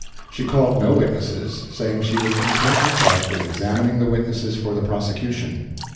She called no witnesses, saying she would content herself with examining the witnesses for the prosecution.